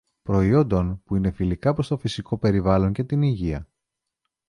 προϊόντων που είναι φιλικά προς το φυσικό περιβάλλον και την υγεία